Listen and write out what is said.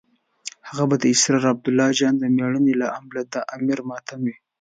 هغه به د سردار عبدالله جان د مړینې له امله د امیر ماتم وي.